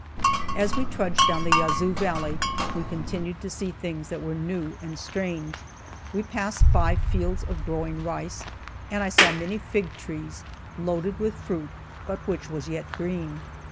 As we trudged down the Yazoo valley, we continued to see things that were new and strange. We passed by fields of growing rice, and I saw many fig trees, loaded with fruit, but which was yet green.